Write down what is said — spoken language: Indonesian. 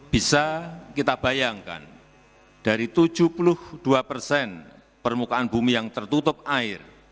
bisa kita bayangkan dari tujuh puluh dua persen permukaan bumi yang tertutup air